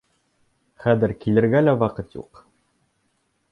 Хәҙер килергә лә ваҡыты юҡ.